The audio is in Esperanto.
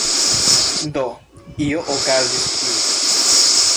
Do… io okazis tie.